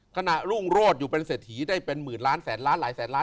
ขณะรุ่งโรธอยู่เป็นเศรษฐีได้เป็นหมื่นล้านแสนล้านหลายแสนล้าน